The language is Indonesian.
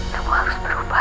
kamu harus berubah